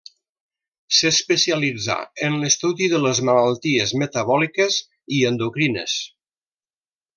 S'especialitzà en l'estudi de les malalties metabòliques i endocrines.